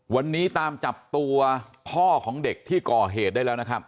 วันนี้ตามจับตัวพ่อของเด็กที่ก่อเหตุได้แล้วนะครับ